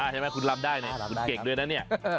ใช่ไหมคุณลำได้เนี่ยคุณเก่งด้วยนะเนี่ย